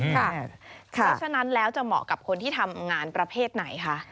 เพราะฉะนั้นแล้วจะเหมาะกับคนที่ทำงานประเภทไหนคะ